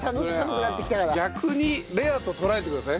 逆にレアと捉えてください。